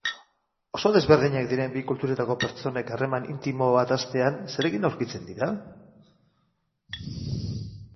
Oso desberdinak diren bi kulturetako pertsonek harreman intimo bat hastean zerekin aurkitzen dira?